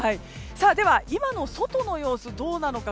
では今の外の様子どうなのか。